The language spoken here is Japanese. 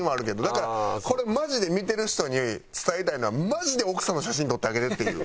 だからこれマジで見てる人に伝えたいのはマジで奥さんの写真撮ってあげてっていう。